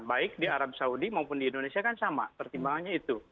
baik di arab saudi maupun di indonesia kan sama pertimbangannya itu